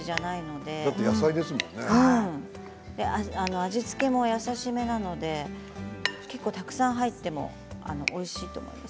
味付けも優しめですのでたくさん入ってもおいしいと思います。